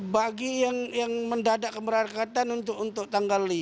bagi yang mendadak kemerahkatan untuk tanggal